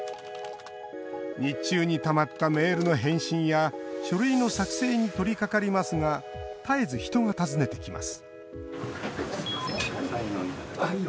日中にたまったメールの返信や書類の作成に取りかかりますが絶えず、人が訪ねてきます